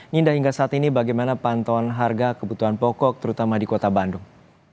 ninda hingga saat ini bagaimana pantauan harga kebutuhan pokok terutama di kota bandung